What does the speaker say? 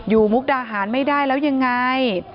มุกดาหารไม่ได้แล้วยังไง